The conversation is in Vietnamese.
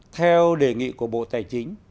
theo đề nghị của bộ tài chính